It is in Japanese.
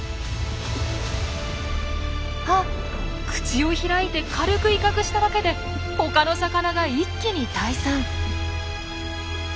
あっ口を開いて軽く威嚇しただけでほかの魚が一気に退散。